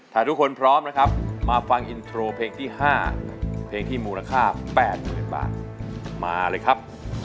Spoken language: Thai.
ถ้าทุกคนพร้อมนะครับมาฟังอินโทรเพลงที่๕เพลงที่มูลค่า๘๐๐๐บาทมาเลยครับ